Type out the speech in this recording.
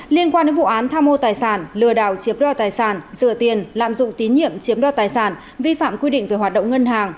liên quan đến vụ án tham mô tài sản lừa đảo chiếm đo tài sản rửa tiền lạm dụng tín nhiệm chiếm đo tài sản vi phạm quy định về hoạt động ngân hàng